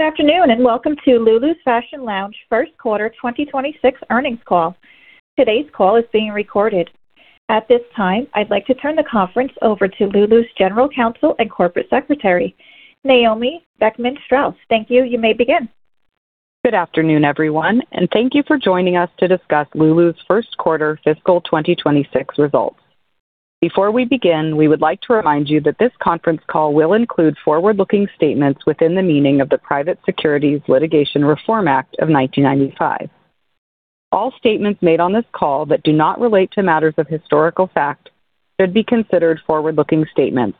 Good afternoon, and welcome to Lulu's Fashion Lounge first quarter 2026 earnings call. Today's call is being recorded. At this time, I'd like to turn the conference over to Lulu's General Counsel and Corporate Secretary, Naomi Beckman-Straus. Thank you. You may begin. Good afternoon, everyone, and thank you for joining us to discuss Lulu's first quarter fiscal 2026 results. Before we begin, we would like to remind you that this conference call will include forward-looking statements within the meaning of the Private Securities Litigation Reform Act of 1995. All statements made on this call that do not relate to matters of historical fact should be considered forward-looking statements,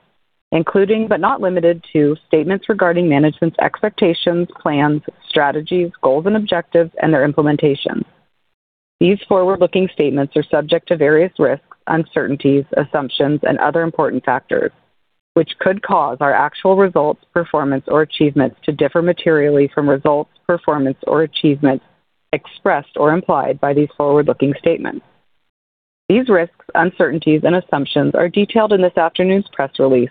including, but not limited to, statements regarding management's expectations, plans, strategies, goals and objectives, and their implementation. These forward-looking statements are subject to various risks, uncertainties, assumptions, and other important factors which could cause our actual results, performance, or achievements to differ materially from results, performance, or achievements expressed or implied by these forward-looking statements. These risks, uncertainties, and assumptions are detailed in this afternoon's press release,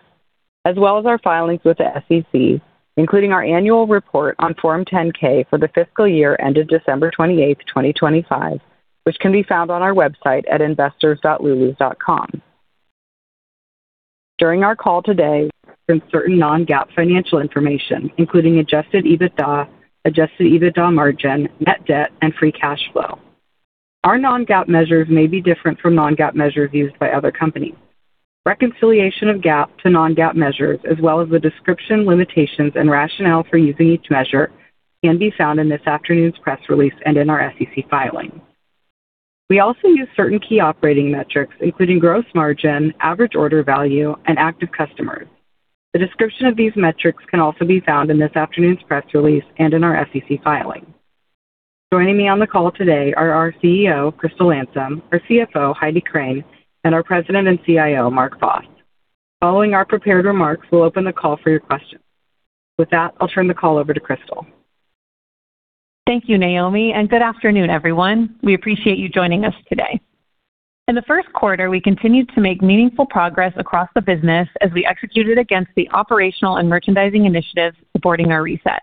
as well as our filings with the SEC, including our annual report on Form 10-K for the fiscal year ended December 28th, 2025, which can be found on our website at investors.lulus.com. During our call today, certain non-GAAP financial information, including adjusted EBITDA, adjusted EBITDA margin, net debt, and free cash flow. Our non-GAAP measures may be different from non-GAAP measures used by other companies. Reconciliation of GAAP to non-GAAP measures, as well as the description, limitations, and rationale for using each measure can be found in this afternoon's press release and in our SEC filing. We also use certain key operating metrics, including gross margin, average order value, and active customers. The description of these metrics can also be found in this afternoon's press release and in our SEC filing. Joining me on the call today are our CEO, Crystal Landsem, our CFO, Heidi Crane, and our President and CIO, Mark Vos. Following our prepared remarks, we'll open the call for your questions. With that, I'll turn the call over to Crystal. Thank you, Naomi, and good afternoon, everyone. We appreciate you joining us today. In the first quarter, we continued to make meaningful progress across the business as we executed against the operational and merchandising initiatives supporting our reset.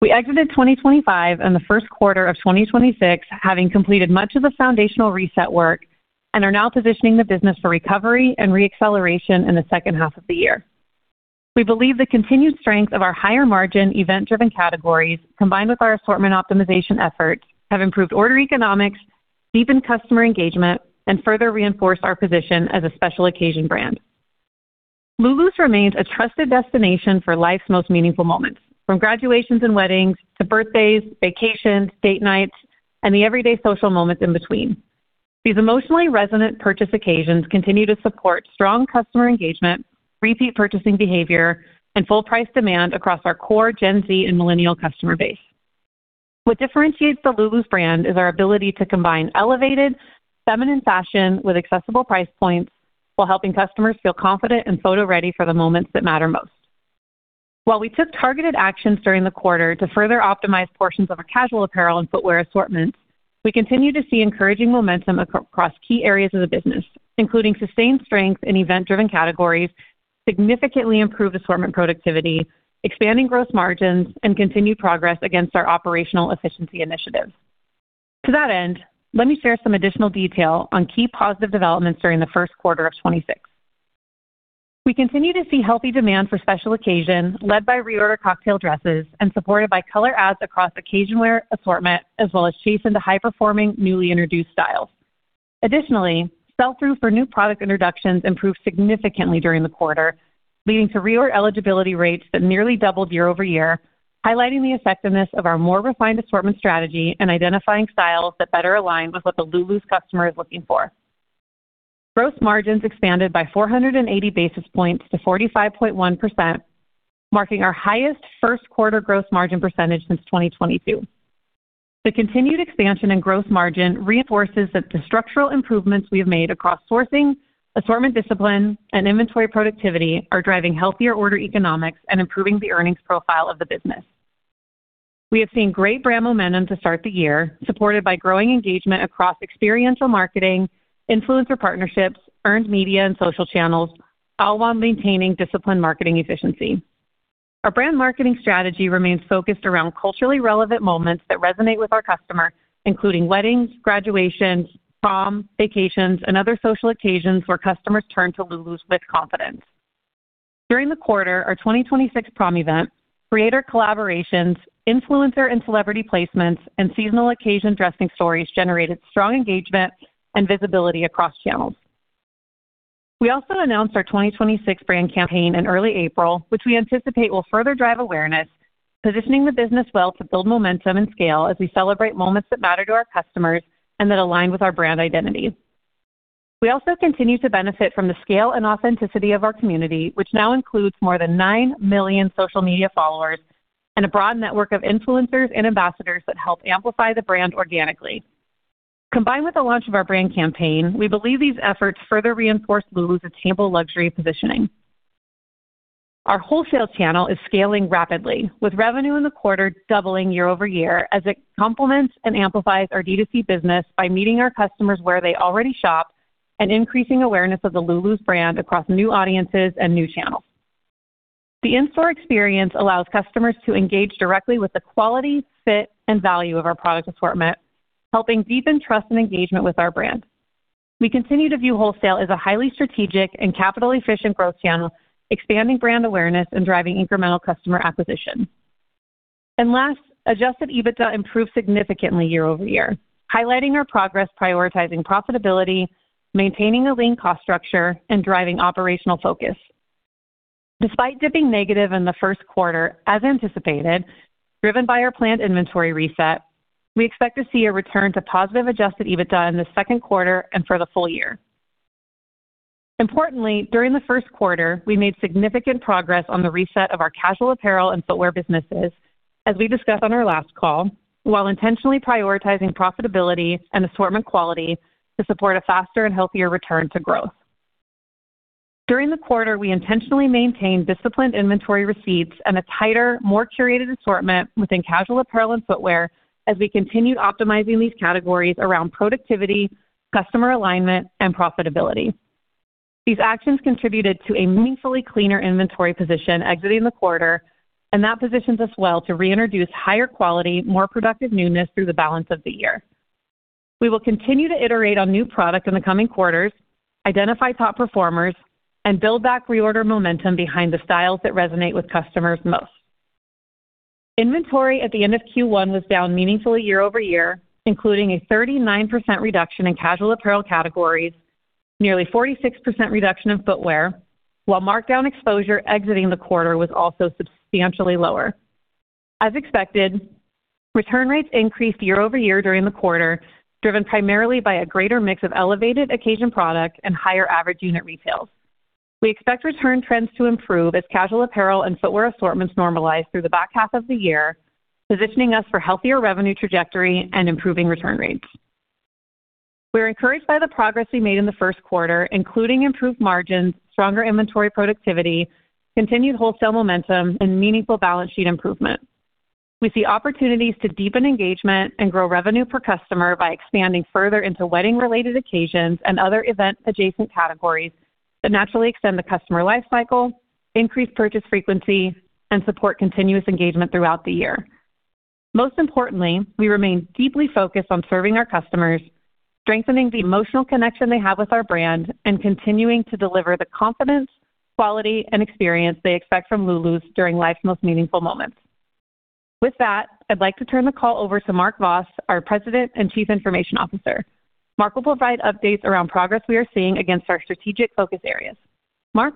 We exited 2025 and the first quarter of 2026, having completed much of the foundational reset work and are now positioning the business for recovery and re-acceleration in the second half of the year. We believe the continued strength of our higher-margin, event-driven categories, combined with our assortment optimization efforts, have improved order economics, deepened customer engagement, and further reinforced our position as a special occasion brand. Lulus remains a trusted destination for life's most meaningful moments, from graduations and weddings to birthdays, vacations, date nights, and the everyday social moments in between. These emotionally resonant purchase occasions continue to support strong customer engagement, repeat purchasing behavior, and full price demand across our core Gen Z and millennial customer base. What differentiates the Lulus brand is our ability to combine elevated feminine fashion with accessible price points while helping customers feel confident and photo ready for the moments that matter most. While we took targeted actions during the quarter to further optimize portions of our casual apparel and footwear assortments, we continue to see encouraging momentum across key areas of the business, including sustained strength in event-driven categories, significantly improved assortment productivity, expanding gross margins, and continued progress against our operational efficiency initiatives. To that end, let me share some additional detail on key positive developments during the first quarter of 2026. We continue to see healthy demand for special occasion, led by reorder cocktail dresses and supported by color adds across occasion wear assortment, as well as chase into high-performing, newly introduced styles. Additionally, sell-through for new product introductions improved significantly during the quarter, leading to reorder eligibility rates that nearly doubled year-over-year, highlighting the effectiveness of our more refined assortment strategy and identifying styles that better align with what the Lulus customer is looking for. Gross margins expanded by 480 basis points to 45.1%, marking our highest first quarter gross margin percentage since 2022. The continued expansion in gross margin reinforces that the structural improvements we have made across sourcing, assortment discipline, and inventory productivity are driving healthier order economics and improving the earnings profile of the business. We have seen great brand momentum to start the year, supported by growing engagement across experiential marketing, influencer partnerships, earned media, and social channels, all while maintaining disciplined marketing efficiency. Our brand marketing strategy remains focused around culturally relevant moments that resonate with our customer, including weddings, graduations, prom, vacations, and other social occasions where customers turn to Lulus with confidence. During the quarter, our 2026 prom event, creator collaborations, influencer and celebrity placements, and seasonal occasion dressing stories generated strong engagement and visibility across channels. We also announced our 2026 brand campaign in early April, which we anticipate will further drive awareness, positioning the business well to build momentum and scale as we celebrate moments that matter to our customers and that align with our brand identity. We also continue to benefit from the scale and authenticity of our community, which now includes more than nine million social media followers and a broad network of influencers and ambassadors that help amplify the brand organically. Combined with the launch of our brand campaign, we believe these efforts further reinforce Lulus attainable luxury positioning. Our wholesale channel is scaling rapidly, with revenue in the quarter doubling year-over-year as it complements and amplifies our D2C business by meeting our customers where they already shop. Increasing awareness of the Lulus brand across new audiences and new channels. The in-store experience allows customers to engage directly with the quality, fit, and value of our product assortment, helping deepen trust and engagement with our brand. We continue to view wholesale as a highly strategic and capital-efficient growth channel, expanding brand awareness and driving incremental customer acquisition. Last, adjusted EBITDA improved significantly year-over-year, highlighting our progress prioritizing profitability, maintaining a lean cost structure, and driving operational focus. Despite dipping negative in the first quarter, as anticipated, driven by our planned inventory reset, we expect to see a return to positive adjusted EBITDA in the second quarter and for the full year. Importantly, during the first quarter, we made significant progress on the reset of our casual apparel and footwear businesses, as we discussed on our last call, while intentionally prioritizing profitability and assortment quality to support a faster and healthier return to growth. During the quarter, we intentionally maintained disciplined inventory receipts and a tighter, more curated assortment within casual apparel and footwear as we continue optimizing these categories around productivity, customer alignment, and profitability. These actions contributed to a meaningfully cleaner inventory position exiting the quarter, and that positions us well to reintroduce higher quality, more productive newness through the balance of the year. We will continue to iterate on new product in the coming quarters, identify top performers, and build back reorder momentum behind the styles that resonate with customers most. Inventory at the end of Q1 was down meaningfully year-over-year, including a 39% reduction in casual apparel categories, nearly 46% reduction in footwear, while markdown exposure exiting the quarter was also substantially lower. As expected, return rates increased year-over-year during the quarter, driven primarily by a greater mix of elevated occasion product and higher average unit retails. We expect return trends to improve as casual apparel and footwear assortments normalize through the back half of the year, positioning us for healthier revenue trajectory and improving return rates. We are encouraged by the progress we made in the first quarter, including improved margins, stronger inventory productivity, continued wholesale momentum, and meaningful balance sheet improvement. We see opportunities to deepen engagement and grow revenue per customer by expanding further into wedding-related occasions and other event-adjacent categories that naturally extend the customer life cycle, increase purchase frequency, and support continuous engagement throughout the year. Most importantly, we remain deeply focused on serving our customers, strengthening the emotional connection they have with our brand, and continuing to deliver the confidence, quality, and experience they expect from Lulus during life's most meaningful moments. With that, I'd like to turn the call over to Mark Vos, our President and Chief Information Officer. Mark will provide updates around progress we are seeing against our strategic focus areas. Mark?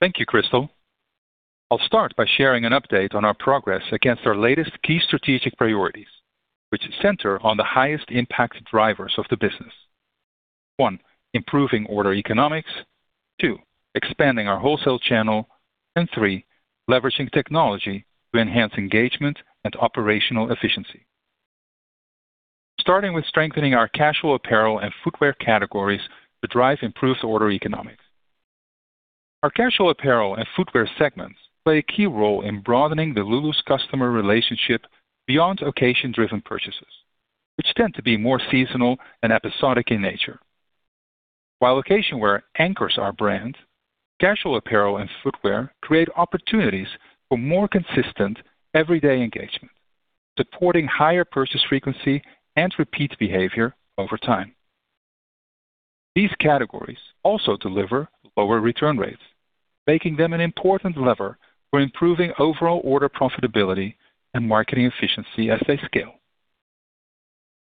Thank you, Crystal. I'll start by sharing an update on our progress against our latest key strategic priorities, which center on the highest impact drivers of the business. One, improving order economics. Two, expanding our wholesale channel. Three, leveraging technology to enhance engagement and operational efficiency. Starting with strengthening our casual apparel and footwear categories to drive improved order economics. Our casual apparel and footwear segments play a key role in broadening the Lulus customer relationship beyond occasion-driven purchases, which tend to be more seasonal and episodic in nature. While occasion wear anchors our brand, casual apparel and footwear create opportunities for more consistent everyday engagement, supporting higher purchase frequency and repeat behavior over time. These categories also deliver lower return rates, making them an important lever for improving overall order profitability and marketing efficiency as they scale.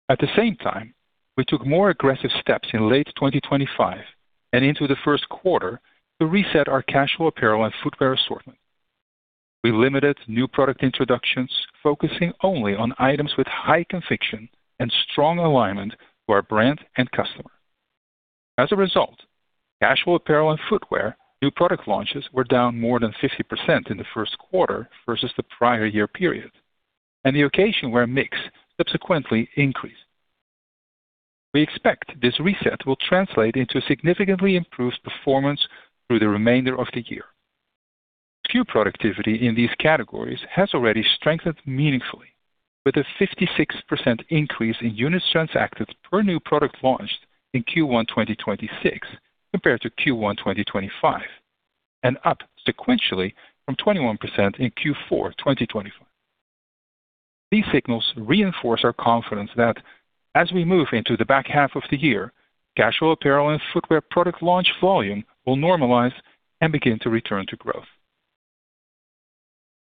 At the same time, we took more aggressive steps in late 2025 and into the first quarter to reset our casual apparel and footwear assortment. We limited new product introductions, focusing only on items with high conviction and strong alignment to our brand and customer. As a result, casual apparel and footwear new product launches were down more than 50% in the first quarter versus the prior year period, and the occasion wear mix subsequently increased. We expect this reset will translate into significantly improved performance through the remainder of the year. SKU productivity in these categories has already strengthened meaningfully, with a 56% increase in units transacted per new product launched in Q1 2026 compared to Q1 2025, and up sequentially from 21% in Q4 2025. These signals reinforce our confidence that as we move into the back half of the year, casual apparel and footwear product launch volume will normalize and begin to return to growth.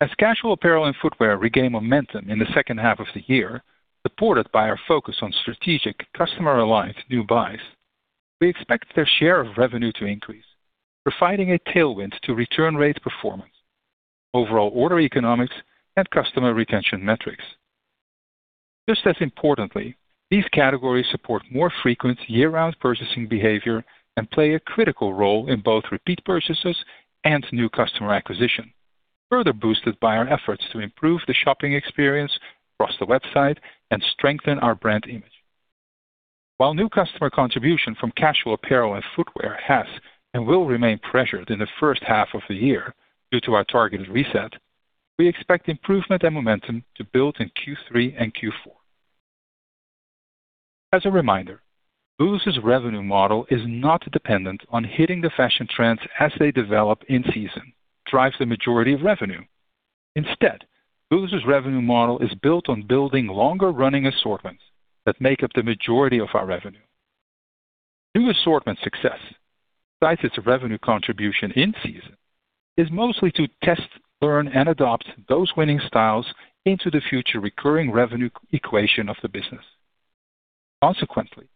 As casual apparel and footwear regain momentum in the second half of the year, supported by our focus on strategic customer-aligned new buys, we expect their share of revenue to increase, providing a tailwind to return rate performance, overall order economics, and customer retention metrics. Just as importantly, these categories support more frequent year-round purchasing behavior and play a critical role in both repeat purchases and new customer acquisition, further boosted by our efforts to improve the shopping experience across the website and strengthen our brand image. While new customer contribution from casual apparel and footwear has and will remain pressured in the first half of the year due to our targeted reset. We expect improvement and momentum to build in Q3 and Q4. As a reminder, Lulus revenue model is not dependent on hitting the fashion trends as they develop in season. Drives the majority of revenue. Instead, Lulus revenue model is built on building longer-running assortments that make up the majority of our revenue. New assortment success, besides its revenue contribution in season, is mostly to test, learn, and adopt those winning styles into the future recurring revenue equation of the business. Consequently,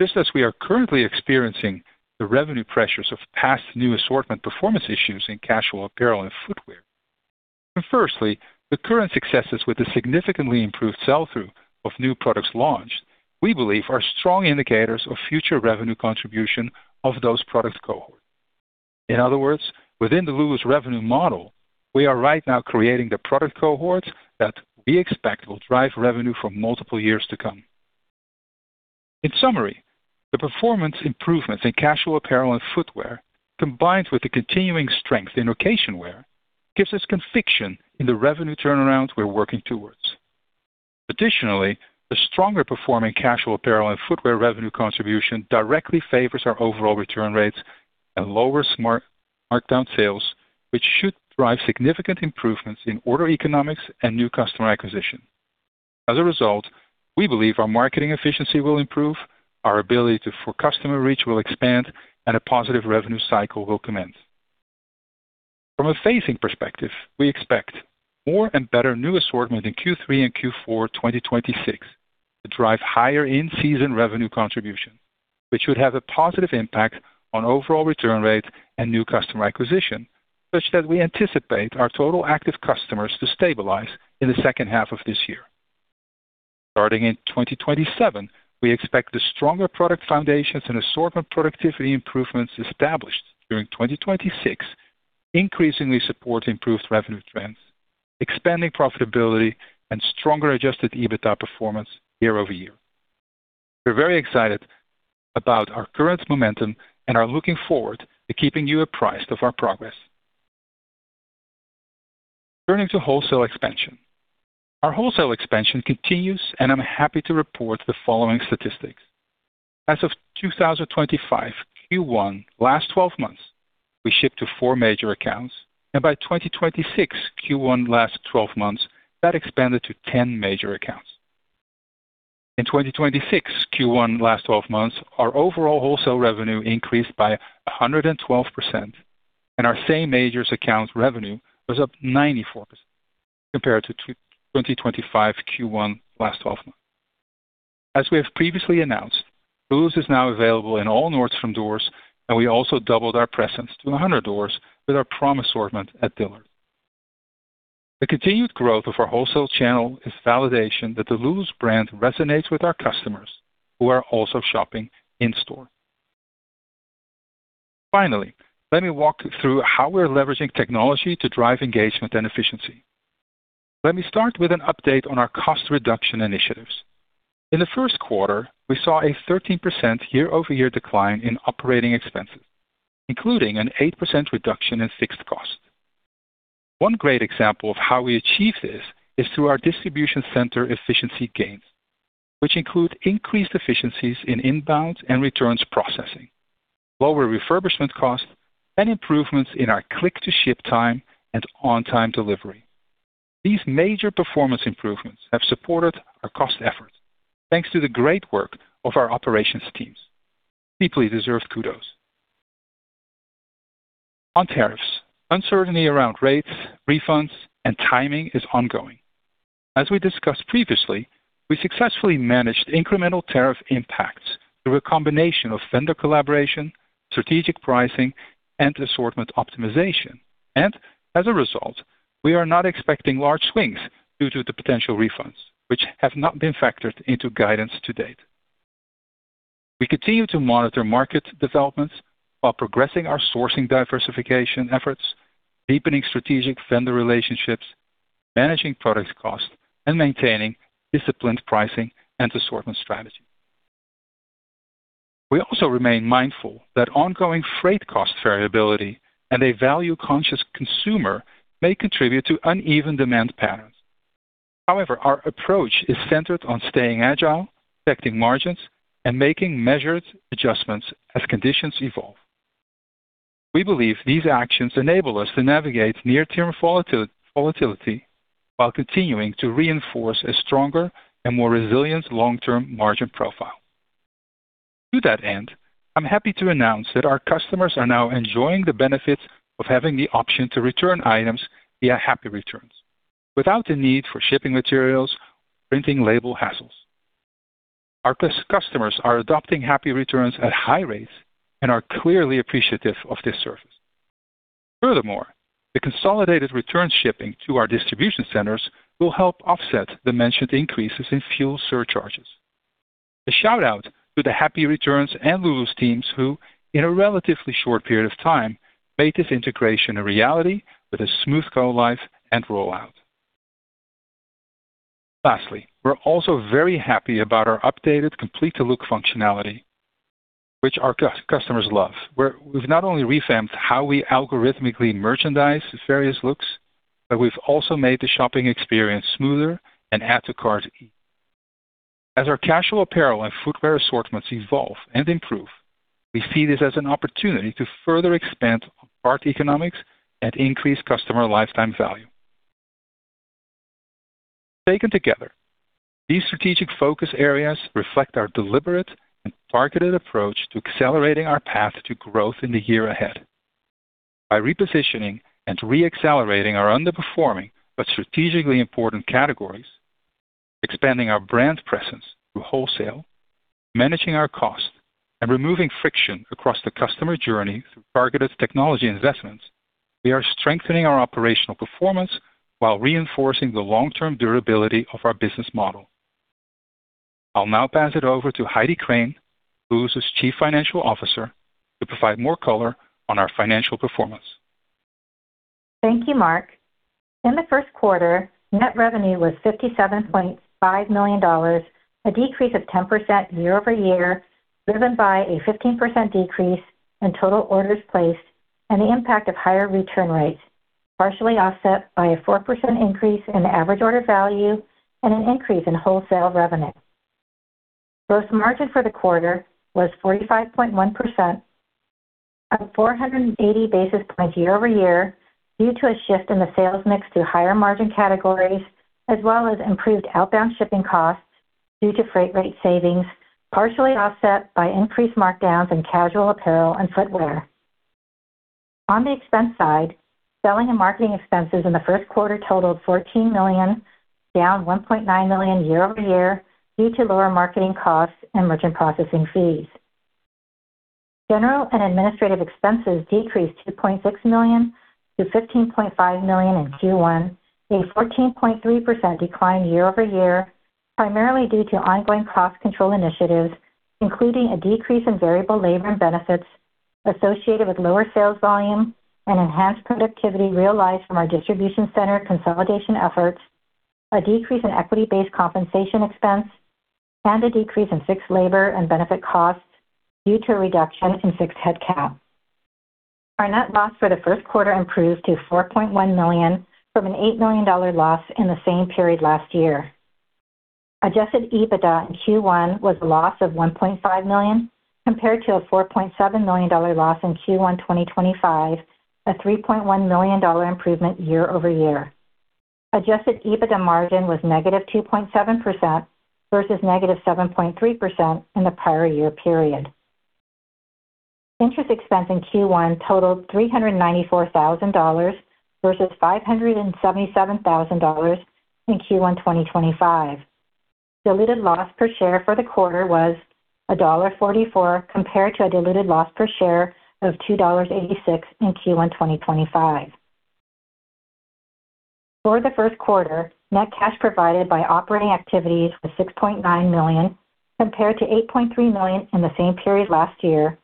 just as we are currently experiencing the revenue pressures of past new assortment performance issues in casual apparel and footwear, and firstly, the current successes with the significantly improved sell-through of new products launched, we believe are strong indicators of future revenue contribution of those products cohort. In other words, within the Lulus revenue model, we are right now creating the product cohort that we expect will drive revenue for multiple years to come. In summary, the performance improvements in casual apparel and footwear, combined with the continuing strength in occasion wear, gives us conviction in the revenue turnaround we're working towards. Additionally, the stronger performing casual apparel and footwear revenue contribution directly favors our overall return rates and lower smart markdown sales, which should drive significant improvements in order economics and new customer acquisition. As a result, we believe our marketing efficiency will improve, our ability to for customer reach will expand, and a positive revenue cycle will commence. From a phasing perspective, we expect more and better new assortment in Q3 and Q4, 2026 to drive higher in-season revenue contribution, which would have a positive impact on overall return rate and new customer acquisition, such that we anticipate our total active customers to stabilize in the second half of this year. Starting in 2027, we expect the stronger product foundations and assortment productivity improvements established during 2026 increasingly support improved revenue trends, expanding profitability, and stronger adjusted EBITDA performance year-over-year. We're very excited about our current momentum and are looking forward to keeping you apprised of our progress. Turning to wholesale expansion. Our wholesale expansion continues, and I'm happy to report the following statistics. As of 2025 Q1 last 12 months, we shipped to four major accounts, and by 2026 Q1 last 12 months, that expanded to 10 major accounts. In 2026 Q1 last 12 months, our overall wholesale revenue increased by 112%, and our same majors account revenue was up 94% compared to 2025 Q1 last 12 months. As we have previously announced, Lulus is now available in all Nordstrom doors, and we also doubled our presence to 100 doors with our prom assortment at Dillard's. The continued growth of our wholesale channel is validation that the Lulus brand resonates with our customers who are also shopping in store. Finally, let me walk through how we're leveraging technology to drive engagement and efficiency. Let me start with an update on our cost reduction initiatives. In the first quarter, we saw a 13% year-over-year decline in operating expenses, including an 8% reduction in fixed cost. One great example of how we achieve this is through our distribution center efficiency gains, which include increased efficiencies in inbound and returns processing, lower refurbishment costs, and improvements in our click-to-ship time and on-time delivery. These major performance improvements have supported our cost efforts, thanks to the great work of our operations teams. Deeply deserved kudos. On tariffs, uncertainty around rates, refunds, and timing is ongoing. As we discussed previously, we successfully managed incremental tariff impacts through a combination of vendor collaboration, strategic pricing, and assortment optimization. As a result, we are not expecting large swings due to the potential refunds, which have not been factored into guidance to date. We continue to monitor market developments while progressing our sourcing diversification efforts, deepening strategic vendor relationships, managing product cost, and maintaining disciplined pricing and assortment strategy. We also remain mindful that ongoing freight cost variability and a value-conscious consumer may contribute to uneven demand patterns. However, our approach is centered on staying agile, protecting margins, and making measured adjustments as conditions evolve. We believe these actions enable us to navigate near-term volatility while continuing to reinforce a stronger and more resilient long-term margin profile. To that end, I'm happy to announce that our customers are now enjoying the benefit of having the option to return items via Happy Returns without the need for shipping materials or printing label hassles. Our customers are adopting Happy Returns at high rates and are clearly appreciative of this service. Furthermore, the consolidated return shipping to our distribution centers will help offset the mentioned increases in fuel surcharges. A shout-out to the Happy Returns and Lulus teams who, in a relatively short period of time, made this integration a reality with a smooth go live and rollout. Firstly, we're also very happy about our updated complete the look functionality, which our customers love. Where we've not only revamped how we algorithmically merchandise various looks, but we've also made the shopping experience smoother and add to cart easier. As our casual apparel and footwear assortments evolve and improve, we see this as an opportunity to further expand our economics and increase customer lifetime value. Taken together, these strategic focus areas reflect our deliberate and targeted approach to accelerating our path to growth in the year ahead. By repositioning and re-accelerating our underperforming but strategically important categories, expanding our brand presence through wholesale, managing our cost, and removing friction across the customer journey through targeted technology investments, we are strengthening our operational performance while reinforcing the long-term durability of our business model. I'll now pass it over to Heidi Crane, Lulus Chief Financial Officer, to provide more color on our financial performance. Thank you, Mark. In the first quarter, net revenue was $57.5 million, a decrease of 10% year-over-year, driven by a 15% decrease in total orders placed and the impact of higher return rates, partially offset by a 4% increase in average order value and an increase in wholesale revenue. Gross margin for the quarter was 45.1%, up 480 basis points year-over-year due to a shift in the sales mix to higher margin categories, as well as improved outbound shipping costs due to freight rate savings, partially offset by increased markdowns in casual apparel and footwear. On the expense side, selling and marketing expenses in the first quarter totaled $14 million, down $1.9 million year-over-year due to lower marketing costs and merchant processing fees. General and administrative expenses decreased $2.6 million to $15.5 million in Q1, a 14.3% decline year-over-year, primarily due to ongoing cost control initiatives, including a decrease in variable labor and benefits associated with lower sales volume and enhanced productivity realized from our distribution center consolidation efforts, a decrease in equity-based compensation expense, and a decrease in fixed labor and benefit costs due to a reduction in fixed headcount. Our net loss for the first quarter improved to $4.1 million from an $8 million loss in the same period last year. Adjusted EBITDA in Q1 was a loss of $1.5 million compared to a $4.7 million loss in Q1 2025, a $3.1 million improvement year-over-year. Adjusted EBITDA margin was -2.7% versus -7.3% in the prior year period. Interest expense in Q1 totaled $394,000 versus $577,000 in Q1 2025. Diluted loss per share for the quarter was $1.44 compared to a diluted loss per share of $2.86 in Q1 2025. For the first quarter, net cash provided by operating activities was $6.9 million compared to $8.3 million in the same period last year,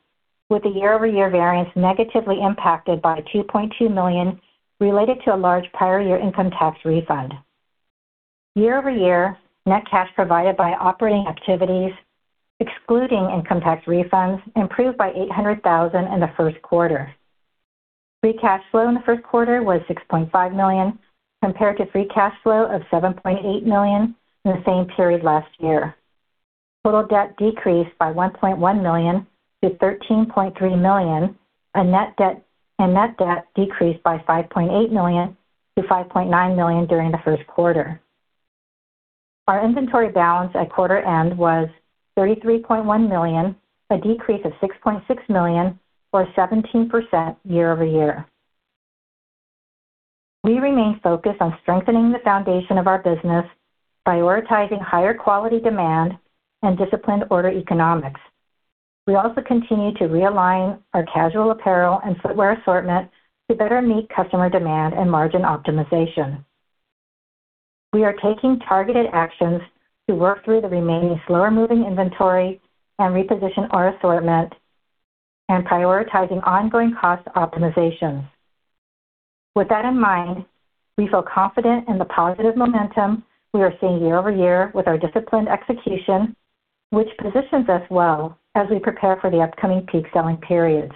with the year-over-year variance negatively impacted by $2.2 million related to a large prior year income tax refund. Year-over-year, net cash provided by operating activities, excluding income tax refunds, improved by $800,000 in the first quarter. Free cash flow in the first quarter was $6.5 million, compared to free cash flow of $7.8 million in the same period last year. Total debt decreased by $1.1 million to $13.3 million, and net debt decreased by $5.8 million to $5.9 million during the first quarter. Our inventory balance at quarter end was $33.1 million, a decrease of $6.6 million, or 17% year-over-year. We remain focused on strengthening the foundation of our business, prioritizing higher quality demand and disciplined order economics. We also continue to realign our casual apparel and footwear assortment to better meet customer demand and margin optimization. We are taking targeted actions to work through the remaining slower-moving inventory and reposition our assortment and prioritizing ongoing cost optimization. With that in mind, we feel confident in the positive momentum we are seeing year-over-year with our disciplined execution, which positions us well as we prepare for the upcoming peak selling periods.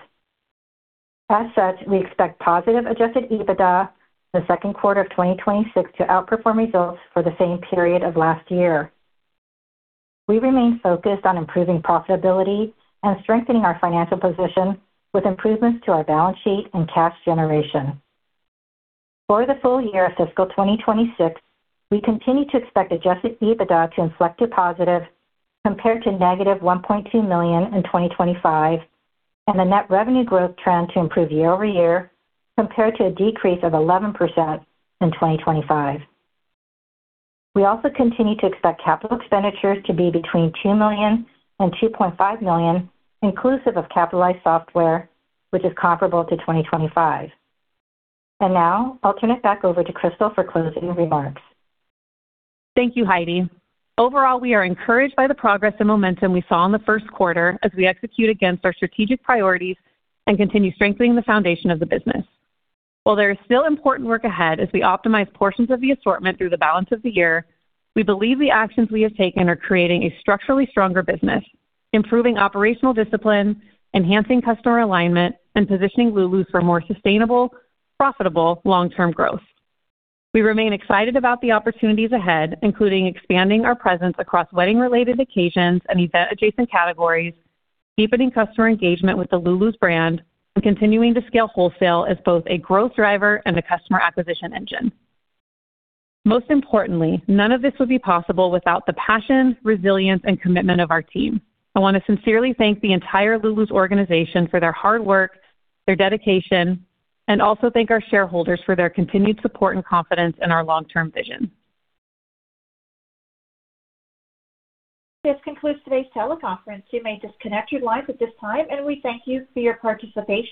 We expect positive adjusted EBITDA in the second quarter of 2026 to outperform results for the same period of last year. We remain focused on improving profitability and strengthening our financial position with improvements to our balance sheet and cash generation. For the full year of fiscal 2026, we continue to expect adjusted EBITDA to inflect to positive compared to -$1.2 million in 2025, and the net revenue growth trend to improve year-over-year compared to a decrease of 11% in 2025. We also continue to expect capital expenditures to be between $2 million and $2.5 million, inclusive of capitalized software, which is comparable to 2025. Now I'll turn it back over to Crystal for closing remarks. Thank you, Heidi. Overall, we are encouraged by the progress and momentum we saw in the first quarter as we execute against our strategic priorities and continue strengthening the foundation of the business. While there is still important work ahead as we optimize portions of the assortment through the balance of the year, we believe the actions we have taken are creating a structurally stronger business, improving operational discipline, enhancing customer alignment, and positioning Lulus for more sustainable, profitable long-term growth. We remain excited about the opportunities ahead, including expanding our presence across wedding-related occasions and event-adjacent categories, deepening customer engagement with the Lulus brand, continuing to scale wholesale as both a growth driver and a customer acquisition engine. Most importantly, none of this would be possible without the passion, resilience, and commitment of our team. I wanna sincerely thank the entire Lulus organization for their hard work, their dedication, and also thank our shareholders for their continued support and confidence in our long-term vision. This concludes today's teleconference. You may disconnect your lines at this time, and we thank you for your participation.